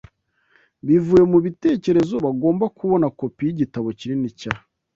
bivuye mubitekerezo bagomba kubona kopi y "Igitabo kinini cya"